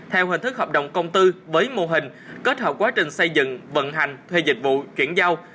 theo hình thức hợp đồng công tư với mô hình kết hợp quá trình xây dựng vận hành thuê dịch vụ chuyển giao